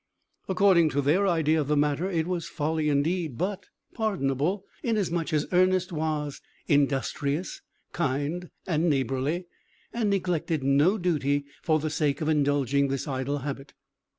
According to their idea of the matter, it was a folly, indeed, but pardonable, inasmuch as Ernest was industrious, kind, and neighbourly, and neglected no duty for the sake of indulging this idle habit.